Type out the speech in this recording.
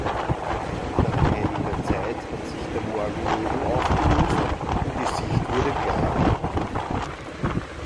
Nach einiger Zeit hatte sich der Morgennebel aufgelöst und die Sicht wurde klarer.